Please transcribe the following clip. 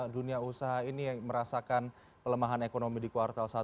dunia usaha ini merasakan pelemahan ekonomi di kuartal satu